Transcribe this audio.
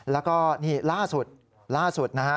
แล้วก็นี่ล่าสุดนะฮะ